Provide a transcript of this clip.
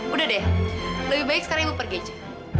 udah deh lebih baik sekarang mau pergi aja